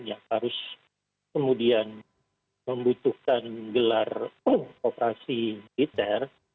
yang harus kemudian membutuhkan gelar operasi militer